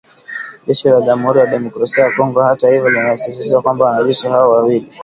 Jeshi la Jamuhuri ya Demokrasia ya Kongo hata hivyo linasisitiza kwamba wanajeshi hao wawili